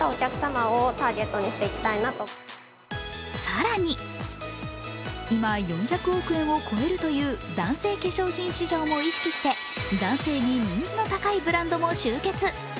更に、今、４００億円を超えるという男性化粧品市場も意識して男性に人気の高いブランドも集結。